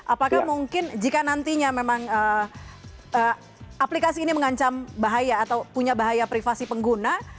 apakah mungkin jika nantinya memang aplikasi ini mengancam bahaya atau punya bahaya privasi pengguna